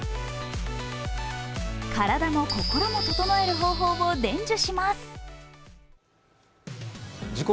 体も心も整える方法を伝授します。